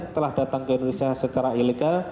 telah datang ke indonesia secara ilegal